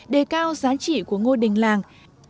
để cao giá trị của ngôi đình làng